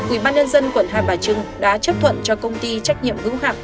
ủy ban nhân dân quận hai bà trưng đã chấp thuận cho công ty trách nhiệm hữu hạng